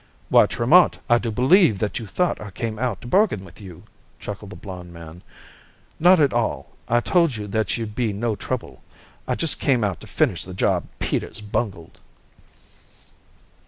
"Why, Tremont! I do believe that you thought I came out to bargain with you," chuckled the blond man. "Not at all! I told you that you'd be no trouble. I just came out to finish the job Peters bungled."